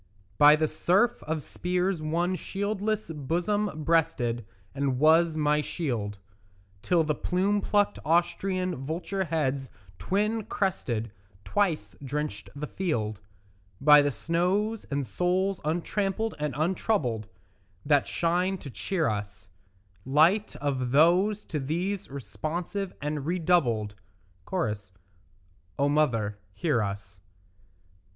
By the surf of spears one shieldless bosom breasted And was my shield, Till the plume plucked Austrian vulture heads twin crested Twice drenched the field; By the snows and souls untrampled and untroubled That shine to cheer us, Light of those to these responsive and redoubled; (Cho.) O mother, hear us.